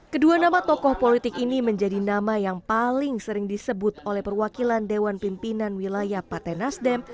kedua nama tokoh politik ini menjadi nama yang paling sering disebut oleh perwakilan dewan pimpinan wilayah partai nasdem